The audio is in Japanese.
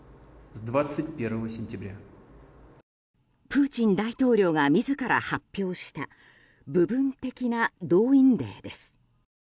プーチン大統領が自ら発表した部分的な動員令です。